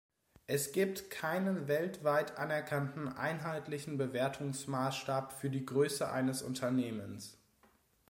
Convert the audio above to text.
Es gibt keinen weltweit anerkannten einheitlichen Bewertungsmaßstab für die Größe eines Unternehmens.